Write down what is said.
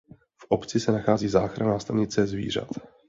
V obci se nachází záchranná stanice zvířat.